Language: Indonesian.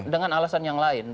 dengan alasan yang lain